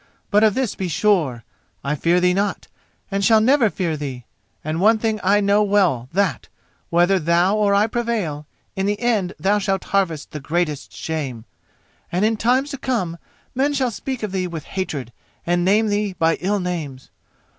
But of this be sure: I fear thee not, and shall never fear thee. And one thing I know well that, whether thou or I prevail, in the end thou shalt harvest the greatest shame, and in times to come men shall speak of thee with hatred and name thee by ill names.